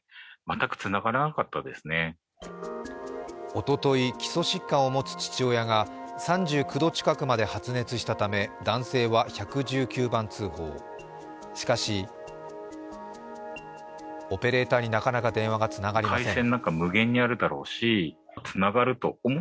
おととい基礎疾患を持つ父親が３９度近くまで発熱したため男性は１１９番通報、しかし、オペレーターになかなか電話がつながりません。